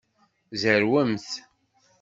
Zerwemt.